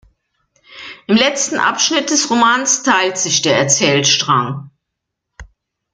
Im letzten Abschnitt des Romans teilt sich der Erzählstrang.